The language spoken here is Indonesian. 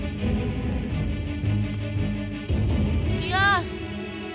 tungguin fias kak